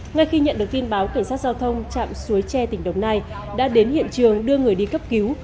ngay khi nhận được tin báo cảnh sát giao thông chạm suối tre tỉnh đồng nai đã đến hiện trường đưa người đi cấp cứu